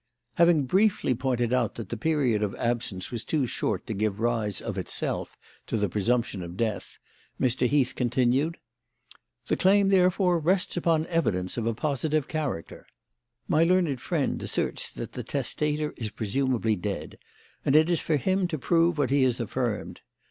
Having briefly pointed out that the period of absence was too short to give rise of itself to the presumption of death, Mr. Heath continued: "The claim therefore rests upon evidence of a positive character. My learned friend asserts that the testator is presumably dead, and it is for him to prove what he has affirmed.